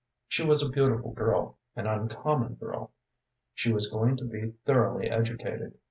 She was a beautiful girl, an uncommon girl. She was going to be thoroughly educated.